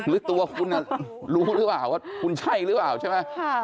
หรือตัวคุณรู้หรือเปล่าว่าคุณใช่หรือเปล่าใช่ไหม